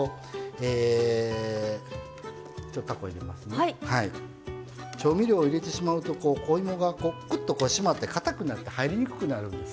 最初に調味料を入れてしまうとお芋が、くっと締まってかたくなって入りにくくなるんです。